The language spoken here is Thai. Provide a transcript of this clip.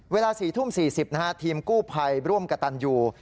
เวลา๔ทุ่ม๔๐ทีมกู้ภัยร่วมกับตันยู